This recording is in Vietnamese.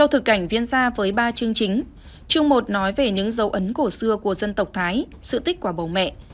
trường một nói về những dấu ấn cổ xưa của dân tộc thái sự tích quả bầu mẹ